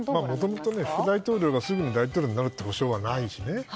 もともと副大統領がすぐに大統領になる保証はないしね。